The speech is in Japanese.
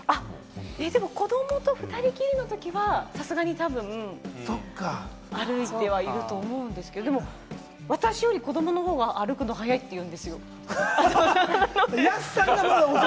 子どもと２人きりのときはさすがに多分歩いてはいると思うんですけれども、でも私より子どもの方が歩くの速いって言うんですよ、東さんが。